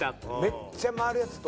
めっちゃ回るやつと。